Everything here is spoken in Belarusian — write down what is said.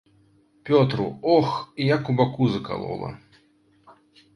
Пётру, ох, як у баку закалола.